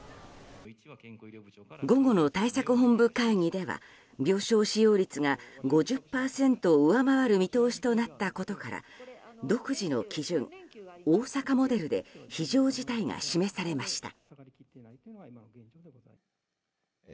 午後の対策本部会議では病床使用率が５０％を上回る見通しとなったことから独自の基準、大阪モデルで非常事態が示されました。